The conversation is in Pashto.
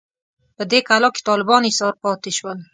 په دې کلا کې طالبان ایسار پاتې شول.